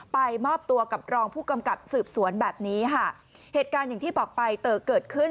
ไปมอบตัวกับรองผู้กำกับสืบสวนแบบนี้ค่ะเหตุการณ์อย่างที่บอกไปเต๋อเกิดขึ้น